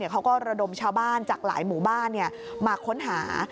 เขาก็ระดมชาวบ้านจากหลายหมู่บ้านมาค้นหา